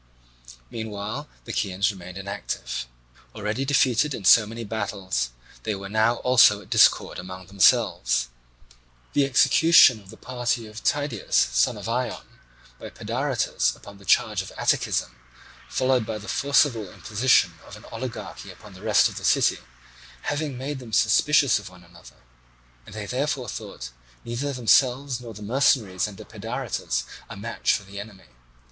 Meanwhile the Chians remained inactive. Already defeated in so many battles, they were now also at discord among themselves; the execution of the party of Tydeus, son of Ion, by Pedaritus upon the charge of Atticism, followed by the forcible imposition of an oligarchy upon the rest of the city, having made them suspicious of one another; and they therefore thought neither themselves not the mercenaries under Pedaritus a match for the enemy.